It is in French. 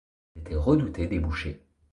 Elles étaient redoutées des bouchers.